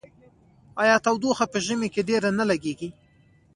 آیا تودوخه په ژمي کې ډیره نه لګیږي؟